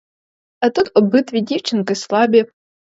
А тут обидві дівчинки слабі.